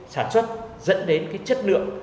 sản xuất dẫn đến chất lượng